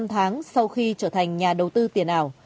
năm tháng sau khi trở thành nhà đầu tư tiền ảo